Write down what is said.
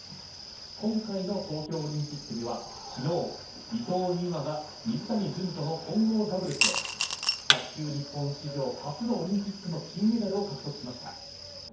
今回の東京オリンピックでは昨日、伊藤美誠が水谷隼との混合ダブルスで卓球日本史上初のオリンピックの金メダルを獲得しました。